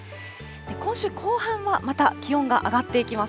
今週後半はまた気温が上がっていきます。